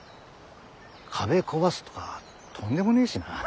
壁壊すとかとんでもねえしな。